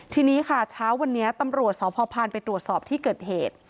ทีนี้ค่ะเช้าวันนี้ตำรวจสพพานไปตรวจสอบที่เกิดเหตุ